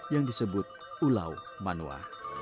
yang disebut ulau manua